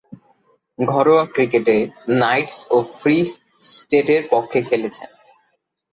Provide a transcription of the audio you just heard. ঘরোয়া ক্রিকেটে নাইটস ও ফ্রি স্টেটের পক্ষে খেলছেন।